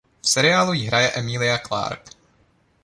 V seriálu ji hraje Emilia Clarke.